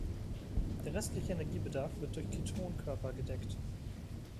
Der restliche Energiebedarf wird durch Ketonkörper gedeckt.